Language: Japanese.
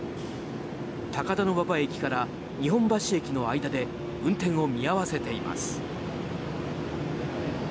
高田馬場駅から日本橋駅の間で運転を見合わせています。